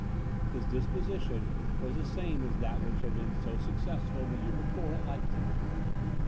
His disposition was the same as that which had been so successful the year before at Leipzig.